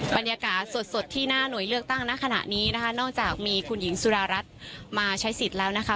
บรรยากาศสดที่หน้าหน่วยเลือกตั้งณขณะนี้นะคะนอกจากมีคุณหญิงสุดารัฐมาใช้สิทธิ์แล้วนะคะ